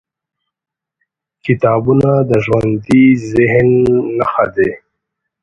کتابونه د ژوندي ذهن نښه ده.